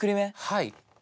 はい。